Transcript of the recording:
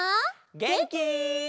げんき？